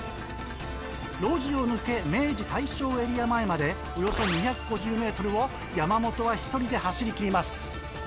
路地を抜け明治・大正エリア前までおよそ２５０ｍを山本は１人で走りきります。